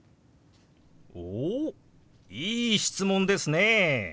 おおっいい質問ですね。